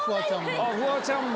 フワちゃんも。